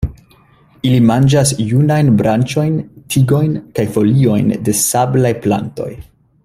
Ili manĝas junajn branĉojn, tigojn kaj foliojn de sablaj plantoj.